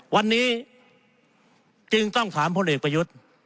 วันนี้จึงต้องถามพลเอกประยุทธ์